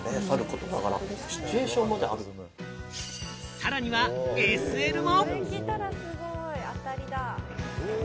さらにはＳＬも！